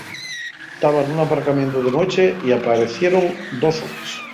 Taba nun aparcamientu de nueche y apaecieron dos homes.